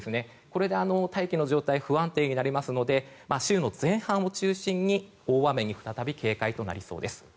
これで、大気の状態が不安定になりますので週の前半を中心に大雨に再び警戒となりそうです。